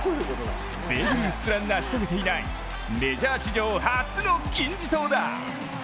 ベーブ・ルースすら成し遂げていないメジャー史上初の金字塔だ。